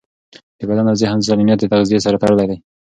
د بدن او ذهن سالمیت د تغذیې سره تړلی دی.